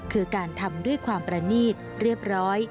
คือการทำด้วยความประนีตเรียบร้อย